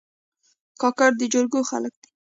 کاکړ د جرګو خلک دي.